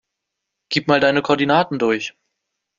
Gib mal deine Koordinaten durch.